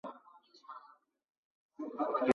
及女主角美美在制作炸肉饼时的过程。